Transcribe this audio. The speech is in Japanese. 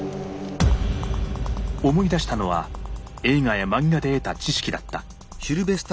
思い出したのは映画や漫画で得た知識だった。